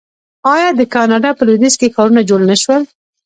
آیا د کاناډا په لویدیځ کې ښارونه جوړ نشول؟